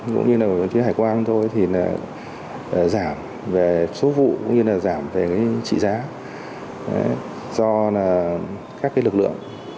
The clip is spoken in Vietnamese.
cũng như là phía hải quan thôi thì giảm về số vụ cũng như là giảm về trị giá do các lực lượng